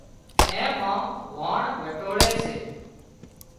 اين مان واڻ ويٽوۯي سي